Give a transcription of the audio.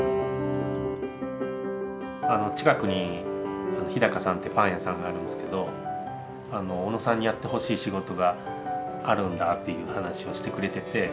近くにＨＩＤＡＫＡさんってパン屋さんがあるんですけど小野さんにやってほしい仕事があるんだっていう話をしてくれてて。